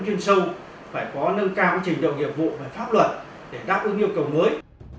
chuyên sâu phải có nâng cao trình độ nghiệp vụ và pháp luật để đáp ứng yêu cầu mới